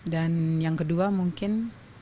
dan yang kedua mungkin